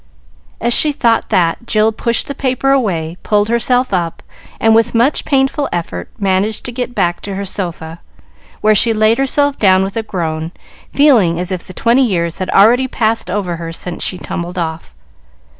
As she thought that, Jill pushed the paper away, pulled herself up, and with much painful effort managed to get back to her sofa, where she laid herself down with a groan, feeling as if the twenty years had already passed over her since she tumbled off.